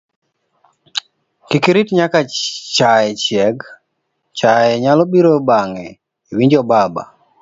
kik irit nyaka chaye chieg, chaye nyalo biro bang'e, iwinjo baba